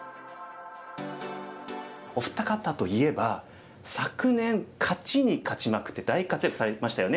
お二方といえば昨年勝ちに勝ちまくって大活躍されましたよね。